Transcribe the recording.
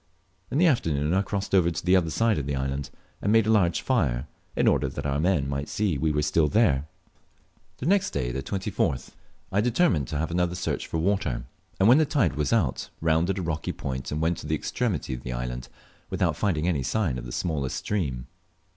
In the afternoon I crossed over to the other side of the island, and made a large fire, in order that our men might see we were still there. The next day (24th) I determined to have another search for water; and when the tide was out rounded a rocky point and went to the extremity of the island without finding any sign of the smallest stream.